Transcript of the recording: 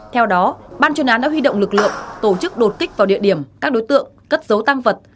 theo đó ban chuyên án đã huy động lực lượng tổ chức đột kích vào địa điểm các đối tượng cất dấu tăng vật